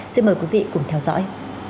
xin mời quý vị cùng theo dõi